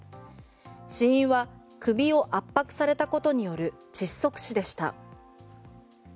死因は首を圧迫されたことによる窒息死でした。